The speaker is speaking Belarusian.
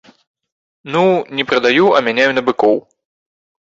Ну, не прадаю, а мяняю на быкоў.